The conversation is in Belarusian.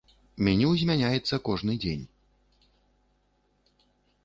Меню змяняецца кожны дзень.